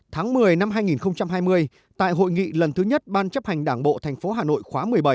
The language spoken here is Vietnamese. tháng một mươi năm hai nghìn hai mươi tại hội nghị lần thứ nhất ban chấp hành đảng bộ tp hà nội khóa một mươi bảy